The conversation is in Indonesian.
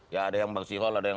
ya ada yang barsi hall ada yang